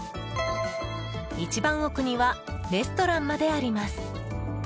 一番奥にはレストランまであります。